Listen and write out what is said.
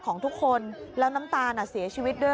เย็นไปอยู่บ้านตะวันดีเลย